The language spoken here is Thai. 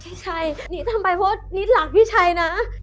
พี่ชัยนิดทำไปเพราะนิทย์หลักพี่ชัยนะ